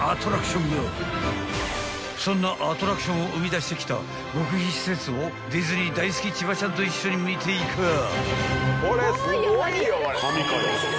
［そんなアトラクションを生み出してきた極秘施設をディズニー大好き千葉ちゃんと一緒に見ていかぁ］